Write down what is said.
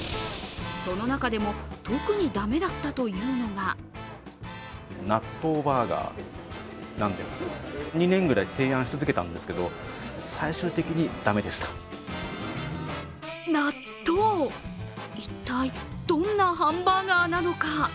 その中でも特にだめだったというのが納豆一体、どんなハンバーガーなのか。